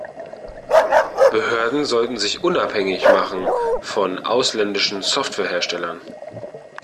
Behörden sollten sich unabhängig machen von ausländischen Software-Herstellern.